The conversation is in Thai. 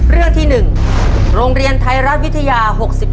เรื่องที่๑โรงเรียนไทยรัฐวิทยา๖๑